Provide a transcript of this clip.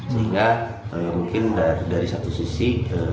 sehingga mungkin dari satu sisi